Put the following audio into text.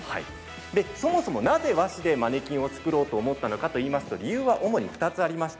そもそもなぜ和紙でマネキンを作ろうと思ったのかといいますと理由は主に２つあります。